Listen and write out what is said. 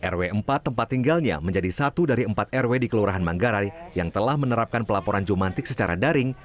rw empat tempat tinggalnya menjadi satu dari empat rw di kelurahan manggarai yang telah menerapkan pelaporan jumantik secara daring